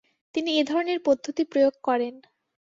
তিনি এ ধরনের পদ্ধতি প্রয়োগ করেন।